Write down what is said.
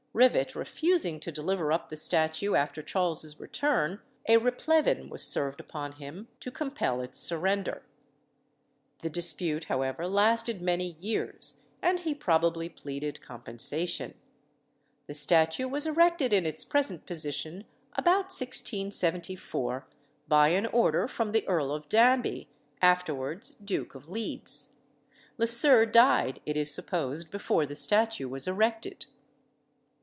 Rivet refusing to deliver up the statue after Charles's return, a replevin was served upon him to compel its surrender. The dispute, however, lasted many years, and he probably pleaded compensation. The statue was erected in its present position about 1674, by an order from the Earl of Danby, afterwards Duke of Leeds. Le Sœur died, it is supposed, before the statue was erected.